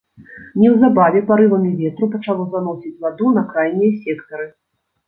Неўзабаве парывамі ветру пачало заносіць ваду на крайнія сектары.